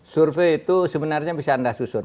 survei itu sebenarnya bisa anda susun